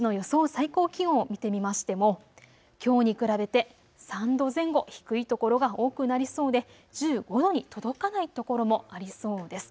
最高気温を見てみましてもきょうに比べて３度前後低い所が多くなりそうで１５度に届かない所もありそうです。